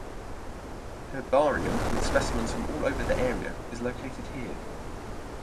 Herbarium with specimens from all over the area is located here.